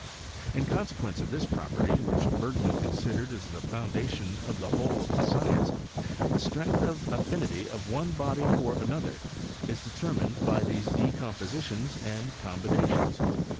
In con sequence of this property, which Bergman consi dered as the foundation of the whole oF the science, the strengUi of affinity of one body for another is E 2 52 HISTO&T OF CHEMISTRY* determined by these decompositions and combina tions.